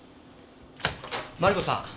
マリコさん。